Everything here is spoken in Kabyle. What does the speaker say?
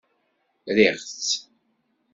Riɣ-tt.